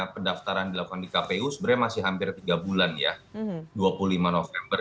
pendaftaran dilakukan di kpu sebenarnya masih hampir tiga bulan ya dua puluh lima november